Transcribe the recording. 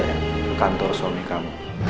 ke kantor suami kamu